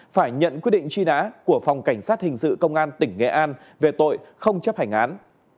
phải nhận quyết định truy nã của phòng cảnh sát hình sự công an tỉnh nghệ an về tội không chấp hành án